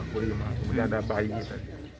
kemudian ada bayi ini tadi